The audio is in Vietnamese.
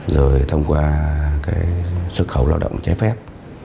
rồi thông qua cái xuất khẩu lao động trái phép